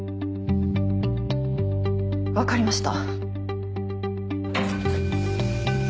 分かりました。